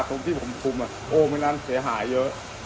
ตรงที่ผมคุมโอ้ไม่งั้นเสียหายเยอะ